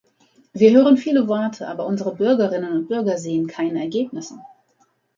Wir hören viele Worte, aber unsere Bürgerinnen und Bürger sehen keine Ergebnisse.